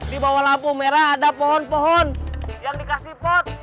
di bawah lampu merah ada pohon pohon yang dikasih pot